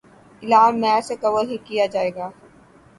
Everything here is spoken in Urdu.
اعلان میچ سے قبل ہی کیا جائے گا